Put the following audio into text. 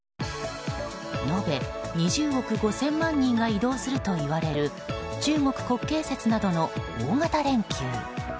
述べ２０億５０００万人が移動するといわれる中国・国慶節などの大型連休。